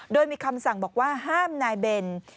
โดยมีคำสั่งบอกว่าห้ามนายเบน